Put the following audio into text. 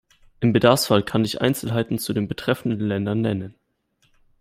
Im Bedarfsfall kann ich Einzelheiten zu den betreffenden Ländern nennen.